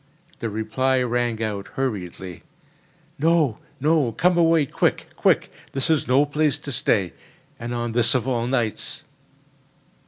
The reply rang out hurriedly: "No! no! Come away quick—quick! This is no place to stay, and on this of all nights!"